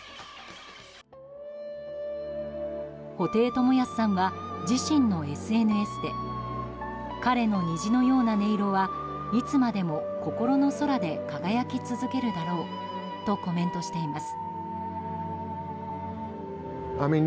布袋寅泰さんは自身のＳＮＳで彼の虹のような音色はいつまでも心の空で輝き続けるだろうとコメントしています。